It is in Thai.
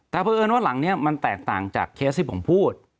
แต่เพราะเอิญว่าหลังนี้มันแตกต่างจากเคสที่ผมพูด